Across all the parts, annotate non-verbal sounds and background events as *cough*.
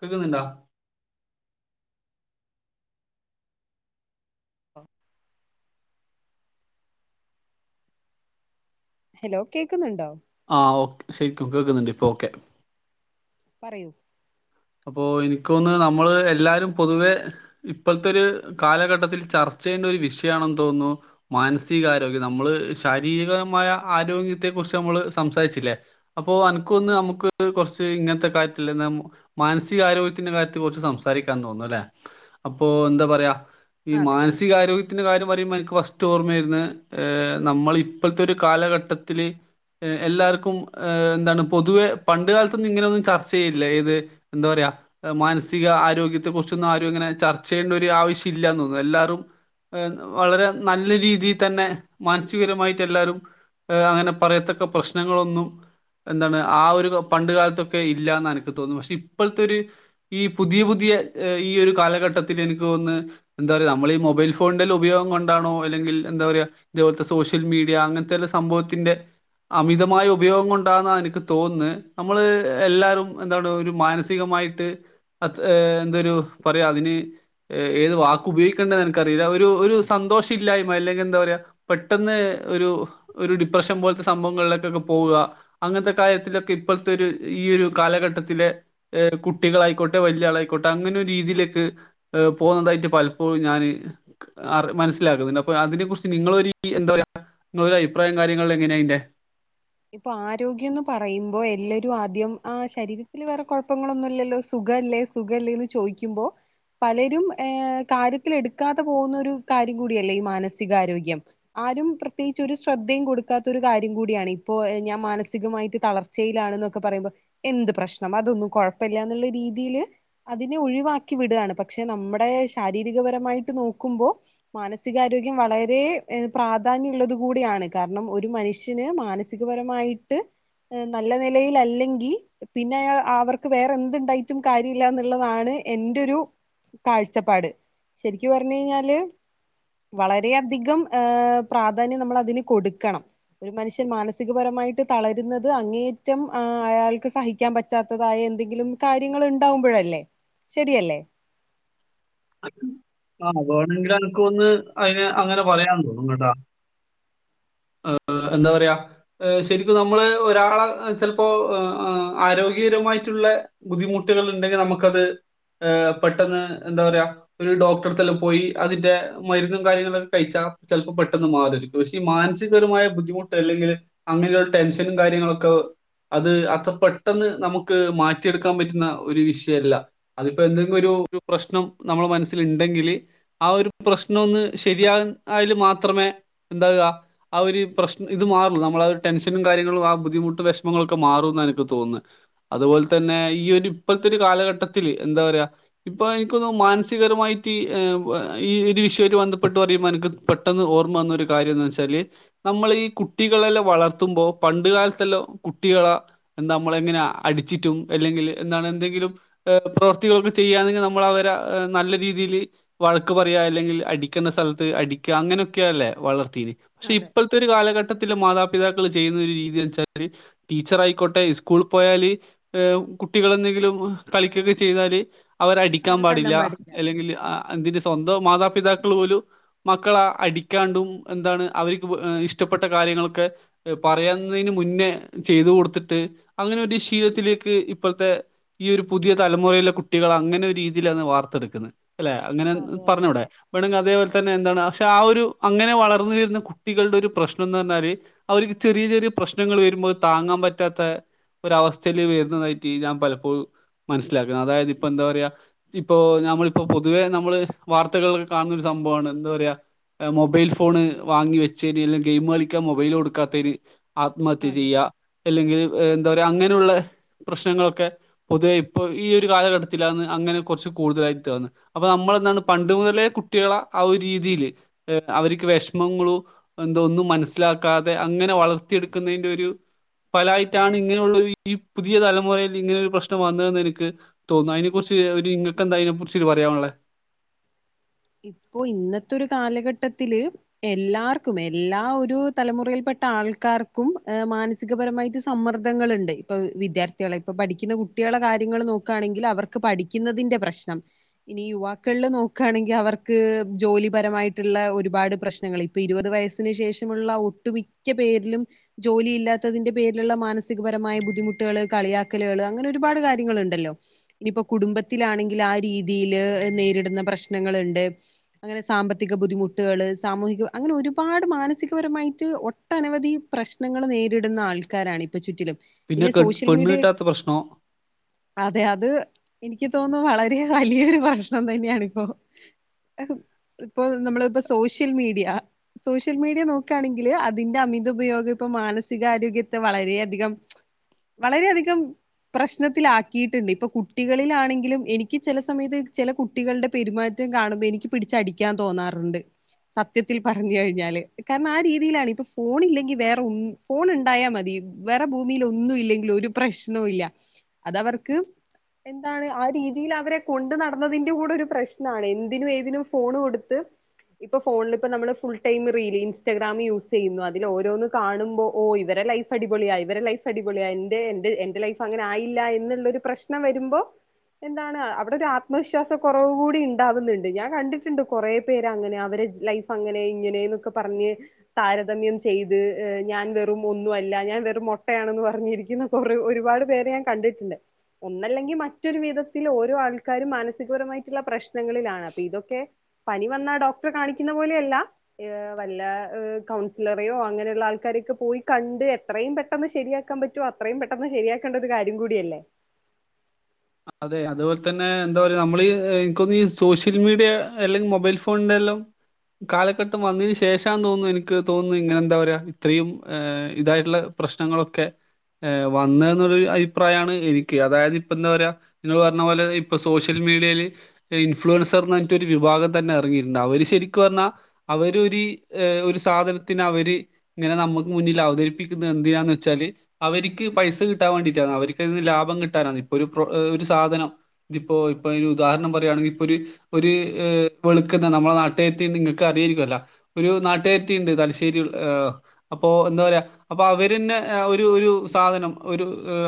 കേക്കുന്നുണ്ടാ പ ഹലോ കേക്കുന്നുണ്ടോ. ആ ഓ ശരിക്കും കേക്കുന്നുണ്ട് ഇപ്പൊ ഓക്കെ. പറയൂ അപ്പോൾ എനിക്ക് തോന്നി നമ്മള് എല്ലാരും പൊതുവെ ഇപ്പോഴത്തെ ഒരു കാലഘട്ടത്തിൽ ചർച്ച ചെയാ ഇത് വിഷയണെന്ന് തോന്നുന്നു മാനസികാരോഗ്യം നമ്മള് ശാരീരികമായ ആരോഗ്യത്തെ കുറിച്ച് നമ്മള്. നമ്മള് സംസാരിച്ചില്ലേ അപ്പൊ അനക്കൊന്ന് അതെ നമുക്ക് ഒരു കൊറച്ച് ഇങ്ങനത്തെ കാര്യത്തിൽ നമ്മ മാനസികാരരോഗ്യത്തിന്റെ കാര്യത്തെ കുറച്ച് സംസാരിക്കാന്ന് തോന്നുന്നു അല്ലെ അപ്പൊ എന്താ പറയാ ഈ അതെ മാനസികാരോഗ്യത്തിന്റെ കാര്യം പറയുമ്പോ എനിക്ക് ഫസ്റ്റ് ഓർമ്മവരുന്നേ ഏ നമ്മളിപ്പത്തെ ഒരു കാലഘട്ടത്തില് എ എല്ലാർക്കും ഏ എന്താണ് പൊതുവെ പണ്ട് കാലത്തൊന്നും ഇങ്ങനെയൊന്നും ചർച്ച ചെയ്യില്ല ഏത് എന്താ പറയാ മാനസിക ആരോഗ്യത്തെ കുറിച്ചൊന്നും ആരും ഇങ്ങനെ ചർച്ച ചെയ്യേണ്ട ഒരു ആവശ്യം ഇല്ലന്ന് തോന്നുന്നു എല്ലാരും ഏ വളരെ നല്ല രീതിയി തന്നെ മാനസികപരമായിട്ട് എല്ലാരും എ അങ്ങനെ പറയത്തക്ക പ്രശ്നങ്ങളൊന്നും എന്താണ് ആ ഒരു പണ്ട് കാലത്തൊക്കെ ഇല്ലാന്ന എനിക്ക് തോന്നുന്നെ പക്ഷെ ഇ ഇപ്പോളത്തെ ഒരു ഈ പുതിയ പുതിയ ഈ ഒരു കാലഘട്ടത്തിലെനിക്ക് തോന്നുന്നേ എന്താ പറയുക നമ്മളീ മൊ ബൈൽ ഫോണിന്റെ എല്ലാ ഉപയോഗം കൊണ്ടാണോ അല്ലെങ്കിൽ എന്താ പറയ ഇതേപോലത്തെ സോഷ്യൽ മീഡിയ അങ്ങനത്തെയുള്ള സംഭവത്തിന്റെ അമിതമായ ഉപയോഗം കൊണ്ടാന്നാ എനിക്ക് തോന്നുന്നെ നമ്മള് എല്ലാരും എന്താണ് ഒരു മാന സികമായിട്ട് അത് എന്തൊരു പറയാ അതിന് എ ഏത് വാക്ക് ഉപയോഗിക്കേണ്ടെന്നെനക്കറി *unintelligible* ഒരു ഒരു സന്തോഷ ഇല്ലായ്മ അല്ലെങ്കിൽ എന്താ പറയാ പെട്ടെന്ന് ഒരു ഒരു ഡിപ്രഷൻ പോലത്തെ സംഭവങ്ങളിലൊ ക്കെ പോവാ. അങ്ങൻത്തെ കാര്യത്തിലൊക്കെ ഇപ്പൾത്തൊര് ഈ ഒരു കാലഘട്ടത്തിലെ ഏഹ് കുട്ടികളായിക്കോട്ടെ വലിയ ആളായിക്കോട്ടെ അങ്ങനെ ഒരു രീതിയിലേക്ക് ഏഹ് പോകുന്നതായിട്ട് പലപ്പോഴും ഞാന് അറ് മനസ്സിലാക്കുന്നുണ്ട്. അപ്പൊ അതിനെ കുറിച്ച് നിങ്ങള് ഒര് എന്താ പറയാ നിങ്ങള് ഒര് അഭിപ്രായും കാര്യങ്ങളിലും എങ്ങനെ ൻ്റെ ഇപ്പൊ ആരോഗ്യം ന്ന് പറയുമ്പോ എല്ലരും ആദ്യം ആ ശരീരത്തിൽ വേറെ കുഴപ്പങ്ങളൊന്നുല്ലല്ലോ സു ഖല്ലേ സുഖല്ലേന്ന് ചോയിക്കുമ്പോ പലരും ഏഹ് കാര്യത്തിൽ എടുക്കാതെ പോകുന്ന ഒരു കാര്യം കൂടിയല്ലേ ഈ മാനസികാരോഗ്യം. ആരും പ്രത്യേകിച്ച് ഒരു ശ്രദ്ധയും കൊടുക്കാത്ത ഒരു കാര്യം കൂടിയാണ്. ഇ പ്പൊ ഞാൻ മാനസികമായിട്ട് തളർച്ചയിലാണ് ന്നൊക്കെ പറയുമ്പം എന്ത് പ്രശ്നം അതൊന്നും കൊഴപ്പല്ലാന്നുള്ള രീ തിയില് അതിനെ ഒഴിവാക്കി വിടാണ്. പക്ഷെ നമ്മടെ ശാരീരികപരമായിട്ട് നോക്കുമ്പോ മാനസികാരോഗ്യം വളരെ പ്രാധാന്യം ഉള്ളത് കൂടിയാണ്. കാരണം ഒരു മനുഷ്യന് മാന സ്സികപരമായിട്ട് ഏഹ് നല്ല നിലയിലല്ലെങ്കി പിന്നെ അയാ അവർക്ക് വേറെ എന്തുണ്ടായിട്ടും കാര്യല്ലാന്നുള്ളതാണ് എൻ്റൊരു കാഴ്ചപ്പാട്. ശരിക്കു പറഞ്ഞു കഴിഞ്ഞാല് വളരെയധികം ഏഹ് പ്രാധാന്യം നമ്മൾ അതിന് കൊടുക്കണം. ഒരു മനുഷ്യൻ മാന സ്സികപരമായിട്ട് തളരുന്നത് അങ്ങേയറ്റം അയാൾക്ക് സഹിക്കാൻ പറ്റാത്തതായ എന്തെങ്കിലും കാര്യങ്ങ ള്ണ്ടാവുമ്പഴല്ലേ. ശരിയല്ലേ? *unintelligible* ആഹ് വേണങ്കില് അൻക്കൊന്ന് അയിനെ അങ്ങനെ പറയാൻ തോന്നും കേട്ടാ. *unintelligible* *unintelligible* എന്താ പറയാ ശരിക്കും നമ്മള് ഒരാളെ ചിലപ്പോ എ ഏഹ് ആരോഗ്യകരമായിട്ടു ള്ളെ ബുദ്ധിമുട്ടുകള് ഉണ്ടെങ്കിൽ നമുക്കത് പെട്ടെന്ന് എന്താ പറ്യാ ഒരു ഡോക്ടർത്തെല്ലാം പോയി അതിന്റെ മരുന്നും കാര്യങ്ങളൊക്കെ കഴിച്ചാ ചെലപ്പം പെട്ടെന്ന് മാറൂ ആരിക്കും. പക്ഷെ ഇ മ മാനസികപരമായ ബുദ്ധിമുട്ട് അല്ലെങ്കില് അങ്ങനെയുള്ള ടെൻഷനും കാര്യങ്ങളൊക്കെ അത് അത്ര പെട്ടെന്ന് നമുക്ക് മാറ്റിയെടുക്കാൻ പറ്റുന്ന ഒരു വിഷയല്ല അതിപ്പോ എന്തെങ്കിലും ഒരു ഒരു പ്രശ്നം നമ്മളേ മനസ്സില് ഇണ്ടെങ്കില് ആ ഒരു പ്രശ്നം ഒന്ന് ശരിയാക് ആയാൽ മാത്രമേ എ ന്താ ആ ഒരു പ്രശ് ഇത് മാറൂ നമ്മളെ ഒരു ടെൻഷനും കാര്യങ്ങളും ആ ബുദ്ധിമുട്ട് വിഷമങ്ങളോക്കെ മാറുന്ന എനിക്ക് തോ ന്നെ അതുപോലെ തന്നെ ഈ ഒരു ഇപ്പത്തൊരു കാലഘട്ടത്തില് എന്താ പറയാ ഇപ്പോ എനിക്ക് തോന്നു മാനസികപരമായിട്ട് ഈ ഒരു വിഷയമായിട്ട് ബന്ധപ്പെട്ട് പറയുമ്പോ എനിക്ക് പെട്ടെന്ന് ഓർമ്മ വന്ന ഒരു കാര്യ ന്താന്ന് വച്ചാല് നമ്മളി കുട്ടികളെല്ലാം വളർത്തുമ്പോ പണ്ട് കാലത്തെല്ലാം കുട്ടികള നമ്മള് എങ്ങനെ അടിച്ചിട്ടും അല്ലെങ്കില് എന്താണ് എന്തെങ്കിലും പ്രവർത്തികളൊക്കെ ചെയാണെങ്കി നമ്മളവരെ നല്ല രീതില് വഴക്ക് പറയാ അല്ലെങ്കിൽ അടിക്കണ്ട സ്ഥലത്ത് അടിക്കാ അങ്ങനെയൊക്കെയല്ലേ വളർ ത്തിനി പഷേ അതെ ഇപ്പൽത്തൊരു കാലഘട്ടത്തില് മാതാ പിതാക്കള്‌ ചെയ്യുന്ന രീതിച്ചാല് ടീച്ചറായിക്കോട്ടെ ഇസ്കൂള് പോയാല് ഏഹ് കുട്ടികളെന്ന് ങ്കിലും കളിക്കുക്കൊ ചെയ്താല് അവരെ അടിക്കാൻ പാടില്ല അല്ലെങ്കില് ആഹ് സ്വന്തം മാതാപിതാക്കളു പോലും മക്കളെ അടിക്കാണ്ടു എന്താണ് അവര് ഇഷ്ടപ്പെട്ട ക ര്യങ്ങളൊക്ക പറയുന്നേന് മുന്നേ ചെയ്ത് കൊടുത്തിട്ട് അങ്ങനെ ഒരു ശീലത്തിലക്ക് ലത്തെ ഈ ഒരു പുതിയ തലമുറയിലെ കുട്ടികൾ അങ്ങനെ ഒരു രി തിയിലാണ് വാർത്തെടുക്കുന്നേ അല്ലെ അങ്ങനെ അതെ അതെ പറഞ്ഞുടെ അതെ വേണമെങ്കിൽ അതേപോലെ തന്നെ എന്താണ് പക്ഷെ ആ ഒരു അങ്ങനെ വളർന്നു വരുന്ന കുട്ടികളുടെ ഒരു പ്രശ്നം എന്ന് പറഞ്ഞാല് അവർക്ക് ചെറിയ ചെറിയ പ്രശ്നങ്ങൾ വരുമ്പോൾ താ ങ്ങാൻ പറ്റാത്ത ഒര് അവസ്ഥയില് വെരുന്നതായിട്ട് ഞാൻ പലപ്പോഴും മനസ്സിലാക്കുന്നു അതായത് ഇപ്പൊ എന്താ പറയാ ഇപ്പൊ ഞമ്മളിപ്പോ പൊതുവേ നമ്മള് വാർത്തകളൊക്കെ കാണുന്നൊ ഒരു സംഭവമാണ് എന്താ പറയാ മൊബൈൽ ഫോണ് വാങ്ങി വെച്ചെന് അല്ലെ ഗെയിം കളിക്കാൻ മൊബൈൽ കൊടുക്കാതേന് ആത്മഹത്യ അതെ ചെയ്യുക അല്ലെങ്കിൽ എന്താ പറയുക അങ്ങനെയുള്ള പ്രശ്നങ്ങളൊക്കെ പൊതുവേ ഇപ്പോൾ ഈ ഒരു കാലഘട്ടത്തിലാന്ന് അങ്ങനെ കൊറച്ച് കൂടുതലായിട്ടാണ് അപ്പൊ നമ്മൾന്താണ് പണ്ട് മുതല്ലേ കുട്ടികളെ ആ ഒരു രീതില് അവർ വിഷമങ്ങളോ എന്തൊന്നും മനസ്സിലാക്കാതെ അങ്ങനെ വളർത്തിയെടുക്കുന്നതിന്റെ ഒരു പലായിട്ടാണ് ഇങ്ങനെയുള്ള ഈ പുതിയ തലമുറയില് ഇങ്ങനെ ഒരു പ്രശ്നം വന്നതെന്ന് എനിക്ക് തോന്നുന്നു അതിനെ കുറിച്ച് നിങ്ങക്ക് എന്താ അതിനെ പിറിച്ചിട്ട് പറയാനുള്ളെ ഇപ്പോൊ ഇന്നത്തെ ഒരു കാലഘട്ടത്തില് എല്ലാർക്കും എല്ലാ ഒരു തലമുറയിൽ പട്ട ആൾക്കാർക്കും മാനസികപരമായിട്ട് സമ്മർദ്ദങ്ങളൾുണ്ട് ഇപ്പൊ വിദ്യാർത്ഥികള ഇപ്പ പഠിക്കുന്ന കു കുട്ടികളെ കാര്യങ്ങൾ നോക്കുകയാണെങ്കിൽ അവർക്ക് പഠിക്കുന്നതിന്റെ പ്രശ്നം ഇനി യുവാക്കളിൽ നോക്കയാണെങ്കിൽ അവർക്ക് ജോലിപരമായിട്ടുള്ള ഒരുപാട് പ്രശ്നങ്ങൾ ഇപ്പൊ ഇരുപത് വയസ്സിന് ശേഷമുള്ള ഒട്ടുമിക്ക മ പേരിലും ജോലിയില്ലാത്തതിന്റെ പേരിലുള്ള മാനസികപരമായ ബുദ്ധിമുട്ടുകള് കളിയാക്കലുകൾ അങ്ങനെ ഒരുപാട് കാര്യങ്ങളുണ്ടല്ലോ ഇനിപ്പോ കുടുംബത്തിലാണെങ്കിൽ ആ രീതിയിൽ നേരിടുന്ന പ്രശ്ന പ്ര്നങ്ങളുണ്ട് അങ്ങനെ സാമ്പത്തിക ബുദ്ധിമുട്ടുകൾ സാമൂഹിക അങ്ങനെ ഒരുപാട് മാനസികപരമായിട്ട് ഒട്ടനവധി പ്രശ്നങ്ങൾ നേരിടുന്ന ആൾക്കാരാണ് ഇപ്പൊ ചുറ്റില പിന്നെ കെ സോഷ്യൽ പെണ്ണ് മീഡിയ കിട്ടാത്ത പ്രശ്നം അതെ അത് എനിക്ക് എനിക്ക് തോന്നുന്നു വളരെ വലിയൊരു പ്രശ്നം തന്നെയാണ ഇപ്പോൊ ഇപ്പൊ നമ്മള ഇപ്പോ സോഷ്യൽ മീഡിയ സോഷ്യൽ മീഡിയ നോക്കുകയാണെങ്കില് അതിന്റെ അമിത ഉപയോഗം ഇപ്പൊ മാനസികാരോഗ്യത്തെ വളരെയധികം വളരെയധികം പ്രശ്നത്തിലാക്കിയിട്ടുണ്ട് ഇപ്പൊ കുട്ടികളിലാണെങ്കിലും എനിക്ക് ചില സമയത്ത് ചില കുട്ടികളുടെ പെരുമാറ്റ ചറ്റും കാണുമ്പോ എനിക്ക് പിടിച്ചടിക്കാൻ തോന്നാറുണ്ട് സത്യത്തിൽ പറഞ്ഞു കഴിഞ്ഞാല് കാരണം ആ രീതിയിലാണ് ഇപ്പ ഫോൺ ഇല്ലെങ്കിൽ വേറെ ഫോൺ ഉണ്ടായാൽ മതി വേറെ ഭൂമിൽ ഒന്നും ഇല്ലെങ്കിൽ ഒരു പ്രശ്നവും ഇല്ല അതവർക്ക് എന്താണ് ആ രീതിയിൽ അവരെ കൊണ്ടു നടന്നതിന്റെ കൂടെ ഒരു പ്രശ്നം ാണ് എന്തിനും ഏതിനും ഫോണ് കൊടുത്ത് ഇപ്പൊ ഫോണിൽ ഇപ്പ നമ്മള് full time reel Instagram use ചെയ്യുന്നു അതിൽ ഓരോന്ന് കാണുമ്പോ ഓ ഇവ ടെ ലൈഫ് അടിപൊളിയാ ഇവടെ ലൈഫ് അടിപൊളിയ എ എ എന്റെ ലൈഫ് അങ്ങനെ ആയില്ല എന്നുള്ളരു പ്രശ്നം വരുമ്പോ എന്താണ് അവിടെ ഒരു ആത്മവിശ്വാസം കുറവ കൂടി ഉണ്ട് ഉണ്ടണ്ട് ഞാൻ കണ്ടിട്ടുണ്ട് കൊറ പേങ്ങനെ അവ ലൈഫ് അങ്ങനെ ഇങ്ങനെൊക്കെ പറഞ്ഞ് താരതമം ചെയ്ത് ഞാൻ വെറും ഒന്നുംല്ല ഞാൻ വെറ മുട്ടയാണെന്ന് പറഞ്ഞിരിക്കുന്ന ഒരുപാട് കണ്ടിട്ടുണ്ട് ഒന്നല്ലെങ്കിൽ മറ്റൊരു വിധത്തിൽ ഓരോ ആൾക്കാരും മാനസികപരമായിട്ടുള്ള പ്രശ്ന ങ്ങളിലാണ് അപ്പൊ ഇതൊക്കെ പനി വന്ന ഡോക്ടർ കാണിക്കുന്ന പോലെയ അല്ല വല്ല കൗൺസിലറെയോ അങ്ങനെയുള്ളള്ള ആൾക്കാര പോയി കണ്ട് എത്രയും പെട്ടെന്ന് ശെരിയാക്കാൻ പറ്റോ അത്രയും പെട്ടെന്ന് ശരിയാക്കേണ്ട ഒരു കാര്യം കൂടിയല്ലേ *inaudible* അതെ അതുപോലെ തന്നെ എന്താ പറയാ നമ്മൾ എനിക്കൊന്നഈ സോഷ്യൽ മീഡിയ അല്ലെങ്കിൽ മൊബൈൽ ഫോണിന്റെ ഹലോ കാലഘട്ടം വന്നതിന് ശേഷാ തോന്നുന്നു എനിക്ക് തോന്നുന്നു ഇങ്ങനെ എന്താ പറയാ ഇത്രയും ് ഇതായിട്ടുള്ള പ്രശ്നങ്ങളൊക്കെ വന്ന എന്നൊരു അഭിപ്രായമാണ് എനിക്ക് അതായത് ഇപ്പോ എന്താ പറയുക നിങ്ങൾ പറഞ്ഞ പോലെ ഇപ്പൊ സോഷ്യൽ മീഡിയയിൽ ഇൻഫ്ലുവൻസർ എന്ന്ഞ്ഞട്ട ഒരു വിഭാഗം തന്നെ ഇറങ്ങിയിട്ടുണ്ടാവ അവ ശരിക്കും പറഞ്ഞാൽ അവരൊ ഒരു സാധനത്തിന് അവര് ഇങ്ങനെ നമുക്ക് മുന്നിൽ അവതരിപ്പ ുന്നത് എന്തിനാന്ന് വെച്ചാല് അവർക്ക് പൈസ കിട്ടാൻ വേണ്ടിട്ട അവർക്ക് ലാഭം കിട്ടാന ഇൊ ഒരു ഒരു സാധനം ഇതിപ്പോ ഇപ്പൊ ഉദാഹരണം പറയുകയാണെങ്കിൽ ഇപ്പൊ ഒരു വെളുക്ക് നമ്മളെ നാട്ടുക നിങ്ങക്ക് അറരിക്കല്ല ഒരു നാട്ടുകത്തിണ്ട് തലശ്ശേരി അപ്പോ എാ അ അവ സാധം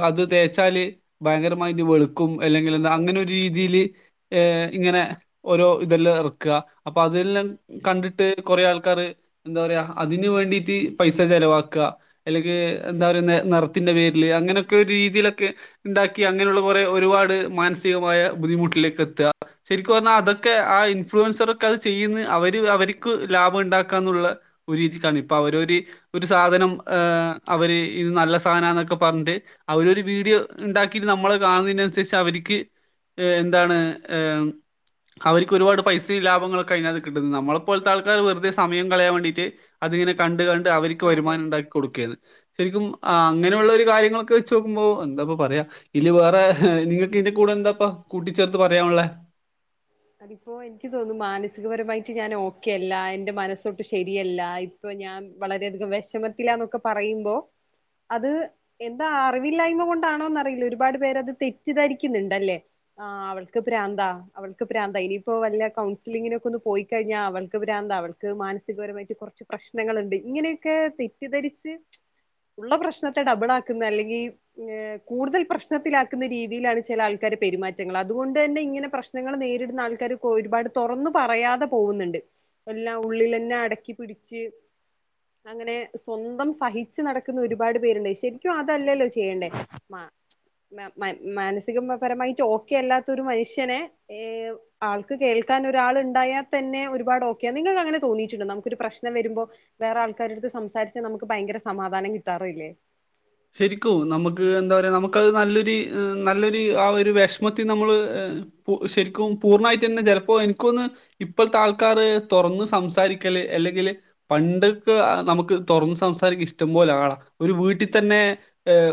അത് തേച്ചാല് ഭയങ്ക വെളുക്കും അല്ലെങ്കിൽന്താ അതെ അങ്ങനെ ഒരു രീതിയിൽ ഇങ്ങനെ ഓരോ ഇതെല്ലാം ഇറക്കുക അപ്പൊ അതെല്ലാം കണ്ടിട്ട് കുറെേ ആൾക്കാാര് എന്താ പറയാ അതിനന് വേണ്ടിട്ട് പൈസ ചെിലവാക്ക അല്ലെങ്കിൽ എന്താ പറയ നിറത്തിന്റെ പേരില് അങ്ങനെയൊക്കെ രീതിയിലൊക്കെ ഉണ്ടി അങ്ങനെയുള്ള കു ഒരുപാട് മാനസികമായ ബുദ്ധിമുട്ടിലേക്ക് എത്തുക ശരിക്കും പറഞ്ഞാൽ അതൊക്കെ ആ് ഫ്ലൻസർ ഒക്കെ അത് ചെയ്യുന്ന അവര് അവർക്ക് ലാഭം ഉണ്ടാക്കാന്നുള്ള ഒരു രീതിക്കാണ് ഇപ്പോൊ അവരരു ഒരു സാധനം അവര് ഇത് നല്ല സാധന എന്നൊക്കെ പറഞ്ഞിട്ട് അവര ഒരു വീഡിയോ ഉണ്ടാക്കി നമ്മള് കാണുന്നതിനനുസരിച്ച് അവർക്ക് എന്താണ് അവർക്ക്ൊ ഒരുപാട് പൈസയും ലാഭങ്ങളൊക്കെ കഴക കിട്ടുന്നത് നമ്മളെപ്പോലത്തെ ആൾക്കർ വെറുതെ സയ കളയാൻ വേണ്ടീട്ട് അതിങ്ങനെ കണ്ട കണ്ടണ്ട് അവക്ക് അതെ വരുമാനം ഉണ്ടാക്കി കൊടുക്കത് ശരിക്കും അങ്ങനെയുള്ള ഒരു കാര്യ നിങ്ങളൊക്കെ വെച്ച് നോക്കുമ്പോ എന്താ പറയാ ഇല് വേറെ നിങ്ങക്ക്ിന്റെ കൂടെ എന്താപ്പ കൂട്ടിച്ചേർത്ത് പറയാംുള്ളെ അതിപ്പോൊ എനിക്ക് തോന്നുന്നു മാനസികപരമായിട്ട് ഞാൻ ഓക്കെ അല്ല എന്റെ മനസ്സോട്ട് ശരിയല്ല ഇപ്പ ഞാൻ വളരെയധികം വിഷമത്തിലാന്നൊക്കെ പറയുമ്പോ അത് എന്താ അറിവില്ലായ്മ കൊണ്ടാണോന്ന് അറിയില്ല ഒരുപാട് പേരത് തെറ്റിദ്ധരിക്കുന്നുണ്ടല്ലേ ആഹ് അവൾക്ക് ഭ്രാന്താ പ്രാന്ത ഇനിയിപ്പോൾ വല്ല കൗൺസിലിങ്ങിനൊക്കെ ഒന്ന് പോയി കഴിഞ്ഞാൽ അവൾക്ക് പ്രാന്ത അവൾക്ക് മാനസികപരമായിട്ട് കുറ പ്രശ്നങ്ങളുണ്ട് ഇങ്ങനെയൊക്കെ തെറ്റിദ്ധരിച്ച് ഉള്ള പ്രശ്നത്തെ ഡബിൾ ആാക്കുന്ന അല്ലെങ്കിൽ കൂടുതൽ പ്രശ്നത്തിലാക്കുന്ന രീതിയിലാണ് ചില ആൾക്കാ പെരുമാറ്റങ്ങൾ അുകൊണ്ട് തന്നെങ്ങനെ പ്രശ്നം പ്രശ്നങ്ങൾ നേരിടുന്ന ആൾക്കാർ ഒരുപാട് തുറന്നു പറയാതെ പോകുന്നുണ്ട് എല്ലാം ഉള്ളിൽന്നെ അടക്കി പിിടിച്ച് അങ്ങനെ സ്വന്തം സഹിച്ചു നടക്കുന്ന ഒരുപാട് പേരുണ്ട് ശരിക്കും അതല്ലല്ലോ ചെയ്യണ്ടേ മാ മാനസികപരമായിട്ട് ഓക്കെ അല്ലാത്തരു മനുഷ്യനെ ഏഹ ആൾക്ക് കേൾക്കാൻ ഒരാൾ ഉണ്ടായാൽ തന്നെ ഒരുപാട് ഓക്കെയ നിങ്ങൾക്ക് അങ്ങനെ തോന്നിയിട്ടുണ്ട് നമുക്കൊരു പ്രശ്നം പ്ര്നം വരുമ്പോ വേറെ ആൾക്കാര അടുത്ത് സംസാരിച്ച് നമുക്ക് ഭയങ്കര സമാധാനം കിട്ടാറുല്ലേ ശരിക്കും നമുക്ക് എന്താ പറയാ നമുക്ക്ത് നല്ലൊരു നല്ലൊരു ആ ഒരു വിഷമത്തി നമ്മൾ ശരിക്കും പൂർണ്ണമായിട്ട് തന്നെ ചിലപ്പോ എനിക്കൊ ഇപ്പോഴത്തെ ആൾക്കാർ തുറന്ന് സംസാരിക്ക അല്ലെങ്കിൽ പണ്ടൊക്ക നമുക്ക് തുറന്ന് സംസാരിക്ക ഇഷ്ടം പോല ഒരു വീട്ടിൽ തന്നെ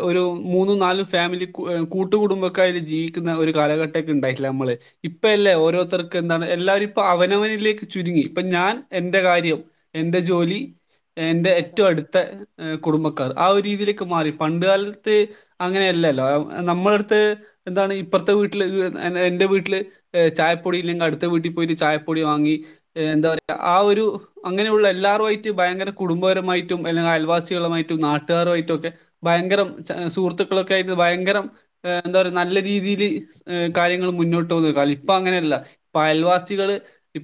ഒരു മൂന്നും നാലല് ഫാമിലി കൂട്ടുകടബക്കെ അൽ ജീവിക്കുന്ന ഒരു കാലഘട്ടം ഉണ്ടായി നമ്മള് ഇപ്പ അല്ലേ അതെ ഓരോരുർക്ക് എന്താണ് എല്ലാവരും ഇപ്പൊ അവനവനിലേക്ക് ചുരുങ്ങി ഇപ്പൊ ഞാൻ എൻറെ കാര്യം എന്റെ ജോലി എന്റെ ഏറ്റവും അടുത്ത കുടുംബക്കാർ ആ ഒരു രീതിയിലേ മാ പണ്ട് കാലത്ത് അങ്ങനെയ അല്ലല്ലോ നമ്മള അടുത്ത് എന്താണ് ഇപ്പറത്തെ വീട്ടില് എന്റെ വീട്ടില് ചായപ്പൊടി ഇല്ലെങ്കിൽ അടുത്ത വീട്ടിൽ പോയി ചായപ്പൊടി വാങ്ങി എന്താ പറയാ ആ ഒരു ഒരു അങ്ങനെയുള്ള എല്ലാവരുമായിട്ട് ഭയങ്കര കുടുംബപരമായിട്ടും അല്ലെങ്കിൽ അയൽവാസികളുമായിട്ടും നാട്ടുകാരുമായിട്ടും ഒക്കെ ഭയങ്കരം സുഹൃത്തുക്കളൊക്കെ ആയിട്ട് ഭയങ്കര എന്താ പറ നല്ല രീതിയിൽ കാര്യ മോട്ട് ഇപ്പ അങ്ങനെയല്ല അയൽവാസികൾ ഇ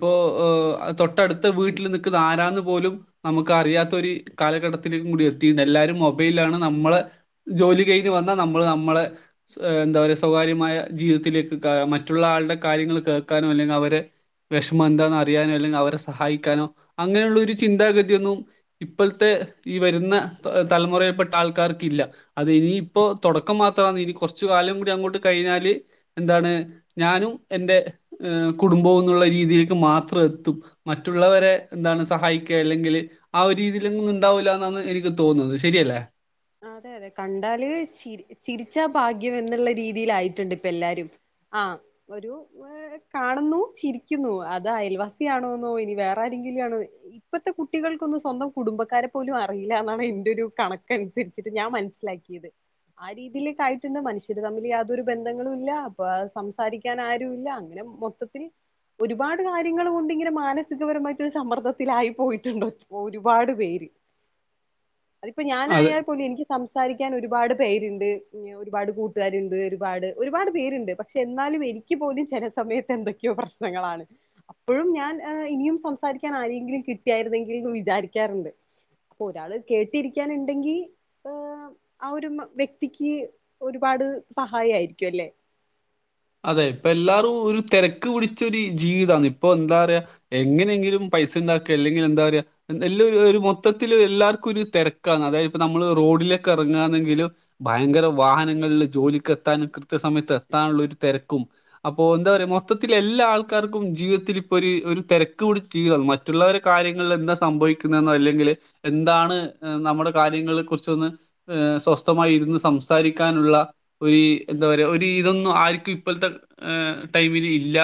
തൊട്ടടുത്ത വീട് വീട്ടിൽ നിുന്ന ആരാാന്ന് പോലും നമുക്ക് അറിയാത്ത ഒരു കാലഘട്ടത്തിലേക്കും കൂടി എത്തിയിട്ടുണ്ട് എല്ലാവരും മൊബൈലാണ് നമ്മള് ജോലി കഴിഞ്ഞഞ് വന്നാൽ നമ്മൾ നമ്മളെ എന്താ പറയുക സ്വകാര്യമായ ജീവിതത്തിലേക്ക് മറ്റുള്ള ആളുടെ കാര്യങ്ങൾ കേൾക്കാനോ അല്ലെങ്കിൽ അവരെ വിഷമം എന്താന്ന് അറിയാനോ അല്ലെങ്കിൽ അവരെ സഹായിക്കാനോ അങ്ങനെയുള്ള ഒരു ചിന്താഗതി ഒന്നും ഇപ്പോഴത്തെ ഈ വരുന്ന തലമുറയിൽപ്പെട്ട ആൾക്കാ ക്കാർക്കല്ല അത് ഇനിയിപ്പോൊ തുടക്കം മാത്രമാണ് ഇനി കുറച്ച കാലം കൂടി അങ്ങോട്ട് കഴിഞ്ഞാല് എന്താണ് ഞാനും എൻറെ കുടുംബവും എന്നുള്ള രീതിയിലേക്ക് മാത്രം എത്തും മറ്റുള്ളവരെ അതെ എന്താണ് സഹായിക്കുക അല്ലെങ്കിൽ ആ ഒരു രീതിലെന്നും ഉണ്ടാവൂല്ല എന്നാന്ന് എനിക്ക് തോന്നുന്നത് ശെരിയല്ലേ അതെ അതെ കണ്ടാല് ചി ചിരിച്ചാ ഭാഗ്യം എന്നുള്ള രീതിലായിട്ട്ണ്ട് ഇപ്പ എല്ലാരും ആഹ് ഒരു കാണുന്നു ചിരിക്കുന്നു അത് അയൽവാസി ആണോന്നോ ഇനി വേറെ ങ്കിലാണോ ഇപ്പത്തെ കുട്ടികൾക്കൊന്നും സ്വന്തം കുടുംബക്കാരെ പോലും അറിയില്ല എന്നാണ് എന്റെ ഒരു കണക്കനുസരി ച്ചിട്ട് ഞാൻ മനസ്സിലാക്കിയത് ആ രീതിയിലേക്കായിട്ടുണ്ട് മനുഷ്യര് തമ്മില് യാതൊരു ബന്ധങ്ങളും ഇല്ല അപ്പ സംസാരിക്കാൻ ആരു ഇല്ല അങ്ങനെ മൊത്തത്തിൽ ഒരുപാട് കാര്യങ്ങൾ കൊണ്ട് ഇങ്ങനെ മാനസികപരമായിട്ടൊരു സമ്മർദ്ദത്തിലായി പോയിട്ട്ണ്ട് ഒരുപാട് പേര് അതിപ്പോ അതെ ഞാനായൽ എനിക്ക് സംസാരിക്കാൻ ഒരുപാട് പേരുണ്ട് ഒരുപാട് കൂട്ടുകാരുണ്ട് ഒരുപാട് ഒരുപാട് പേരുണ്ട് പക്ഷേ എന്നാലും എനിക്ക് പോലും ചെല സമയത്ത് എന്തൊക്കെയോ പ്രശ്നങ്ങളാണ് അപ്പോഴും ഞാൻ ഇനിയും സംസാരിക്കാൻ രിക്കാൻ ആരെങ്കിലും കിട്ടിയാരുന്നെങ്കില്നു വിചാരിക്കാറുണ്ട് അപ്പൊ ഒരാള് കേട്ടിരിക്കാനുണ്ടെങ്കി ഏഹ് ആ ഒരു മാ വ്യക്തിക്ക് ഒരുപാട് സഹായായിരിക്കുഅല്ലെ അതെ ഇപ്പൊ എല്ലാരു ഒരു തെരക്ക് പിടിച്ചൊരു ജീവിതാണ് ഇപ്പൊ എന്താറയാ എങ്ങനെങ്കിലും പൈസ്‌ണ്ടാക്ക ആല്ലെങ്കില്ന്താ പറയഎന്ത് എല്ലാരുഒരു മൊത്തതില് എല്ലാർക്കൊര് തെരക്കാണ് അതായത് ഇപ്പ നമ്മള് റോ റോഡിലേക്കെറങ്ങന്നെങ്കിലും ഭയങ്കര വാഹനങ്ങളിൽ ജോലിക്ക് എത്താനും കൃത്യ സമയത്ത് എത്താഉള്ളൊരു തെരക്കും അപ്പോ എന്താ പറയാ മൊത്തത്തിൽ എല്ലാ ആൾക്കാർക്കും ജീവിതത്തിൽ ഇപ്പൊ ഒര് ഒരു തെരക്ക്പിടിച്ച ജീവിതാണ് മറ്റുള്ളവരു കാര്യങ്ങളിൽ എന്താ സംഭവിക്കുന്നെന്നോ അല്ലെങ്കിൽ എന്താണ് ഏഹ് നമ്മുടെ കാര്യങ്ങളെ കുറിചോ ന്ന് ഏഹ് സ്വസ്ഥമായി ഇരുന്ന് സംസാരിക്കാനുള്ള ഒരി എന്താ പറയ ഒരി ഇതൊന്നും ആര് ക്കിപ്പാത്തെ ഏഹ് ടൈമില് ഇല്ല.